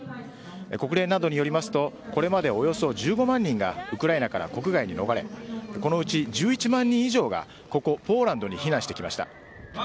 国連などによりますとこれまでおよそ１５万人がウクライナから国外に逃れこのうち１１万人以上がここ、ポーランドに避難してきました。